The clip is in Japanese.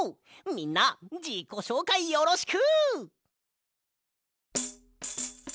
みんなじこしょうかいよろしく！